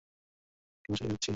কেন সেটাই ভাবছি।